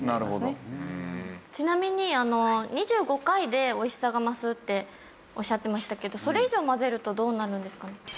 ちなみに２５回でおいしさが増すっておっしゃってましたけどそれ以上混ぜるとどうなるんですかね？